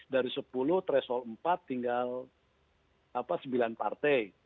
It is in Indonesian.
dari sepuluh threshold empat tinggal sembilan partai